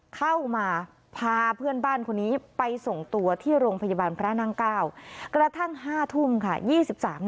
เข้ามาพาเพื่อนบ้านคนนี้ไปส่งตัวที่โรงพยาบาลพระนางเก้ากระทั่ง๑๕๒๓นาที